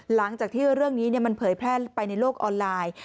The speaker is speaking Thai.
หลังจากที่เรื่องนี้มันเผยแพร่ไปในโลกออนไลน์